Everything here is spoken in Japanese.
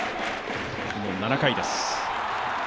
７回です。